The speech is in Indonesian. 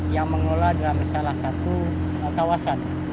yang mengelola dalam salah satu kawasan